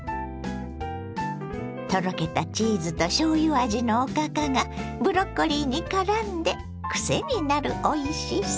とろけたチーズとしょうゆ味のおかかがブロッコリーにからんでクセになるおいしさ！